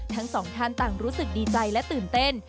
ทั้งสองท่านต่างรู้สึกดีใจและตื่นเต้น